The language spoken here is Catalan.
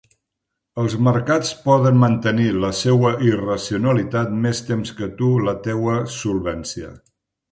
Els mercats poden mantenir la seua irracionalitat més temps que tu la teua solvència.